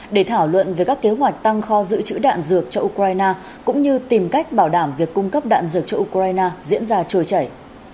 để thảo luận về các kế hoạch tăng kho dự trữ đạn dược cho ukraine cũng như tìm cách bảo đảm việc cung cấp đạn dược cho ukraine diễn ra trôi chảy